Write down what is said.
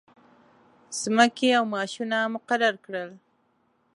مځکې او معاشونه مقرر کړل.